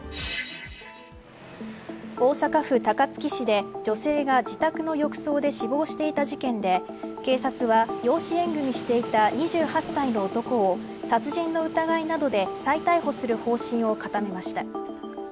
大阪府高槻市で女性が自宅の浴槽で死亡していた事件で警察は養子縁組していた２８歳の男を殺人の疑いなどで再逮捕する方針を固めました。